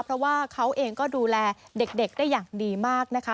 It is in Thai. เพราะว่าเขาเองก็ดูแลเด็กได้อย่างดีมากนะคะ